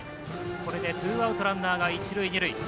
これでツーアウトランナーが一塁二塁。